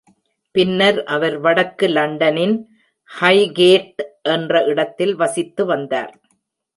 பின்னர் அவர் வடக்கு லண்டனின் ஹைகேட் என்ற இடத்தில் வசித்து வந்தார்.